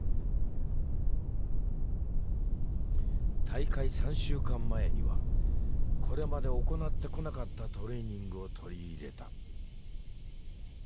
大会３週間前にはこれまで行ってこなかったトレーニングを取り入れた。